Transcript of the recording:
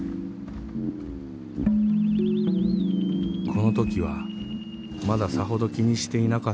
［このときはまださほど気にしていなかったのですが］